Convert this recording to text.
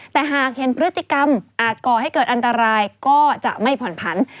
แต่หากเห็นพฤติกรรมอาจก่อให้เกิดอันตรายก็จะไม่ผ่อนผัน